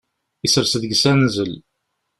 Isers deg-s anzel.